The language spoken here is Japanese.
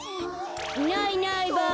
いないいないばあ。